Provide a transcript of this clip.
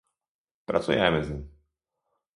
Pracujemy z nim